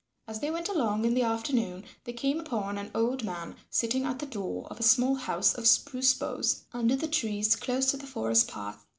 As they went along in the afternoon, they came upon an old man sitting at the door of a small house of spruce boughs under the trees close to the forest path.